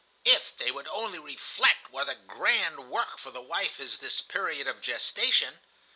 "If they would only reflect what a grand work for the wife is the period of gestation!